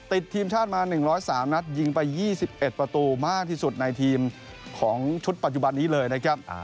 ติดทีมชาติมา๑๐๓นัดยิงไป๒๑ประตูมากที่สุดในทีมของชุดปัจจุบันนี้เลยนะครับ